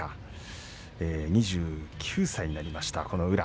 ２９歳になりました、宇良。